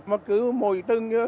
mà cứ mỗi tầng